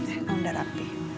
eh kamu udah rapi